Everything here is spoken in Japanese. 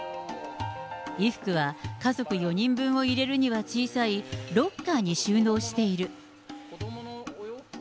衣服は家族４人分を入れるには小さいロッカーに収納している。